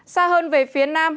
xa hơn về phía nam